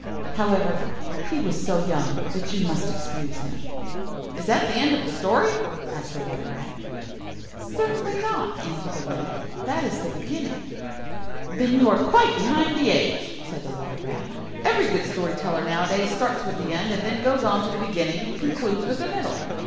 However, he was so young that you must excuse him." "Is that the end of the story?" asked the Water rat. "Certainly not," answered the Linnet, "that is the beginning." "Then you are quite behind the age," said the Water rat. "Every good story teller nowadays starts with the end, and then goes on to the beginning, and concludes with the middle.